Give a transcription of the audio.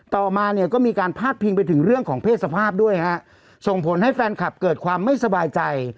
ต่อมาเนี่ยก็มีการพาดพิงไปถึงเรื่องของเพศสภาพด้วยฮะส่งผลให้แฟนคลับเกิดความไม่สบายใจ